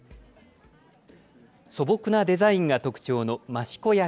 素朴なデザインが特徴の益子焼。